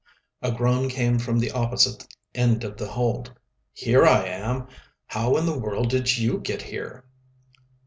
A groan came from the opposite end of the hold. "Here I am. How in the world did you get here?"